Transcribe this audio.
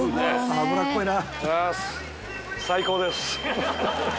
「脂っこいな」